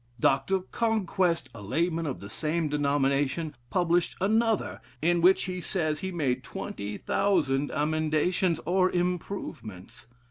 Dr. Conquest, a layman of the same denomination, published another, in which he says he made twenty thousand emendations, or improvements.